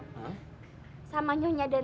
tidak ada yang bisa dihukum